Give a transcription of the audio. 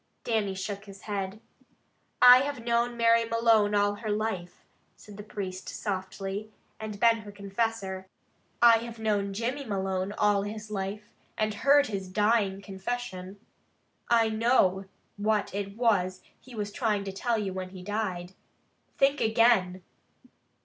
Dannie shook his head. "I have known Mary Malone all her life," said the priest softly, "and been her confessor. I have known Jimmy Malone all his life, and heard his dying confession. I know what it was he was trying to tell you when he died. Think again!"